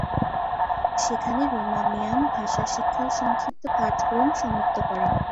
সেখানে রোমানিয়ান ভাষা শিক্ষার সংক্ষিপ্ত পাঠক্রম সমাপ্ত করেন।